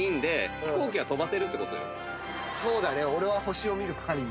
そうだね。